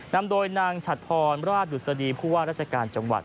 นำโดยนางฉัดพรราชดุษฎีผู้ว่าราชการจังหวัด